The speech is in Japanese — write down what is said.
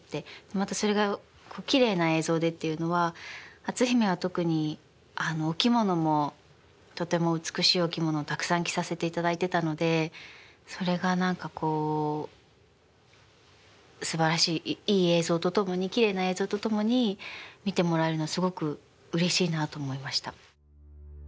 またそれがきれいな映像でっていうのは「篤姫」は特にお着物もとても美しいお着物をたくさん着させていただいてたのでそれが何かこうすばらしいいい映像と共にきれいな映像と共に見てもらえるのはすごくうれしいなと思いました。